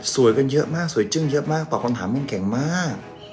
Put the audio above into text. กันเยอะมากสวยจึ้งเยอะมากตอบคำถามแม่งแข็งมาก